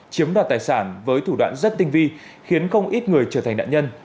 chiếm đoạt tài sản với thủ đoạn rất tinh vi khiến không ít người trở thành nạn nhân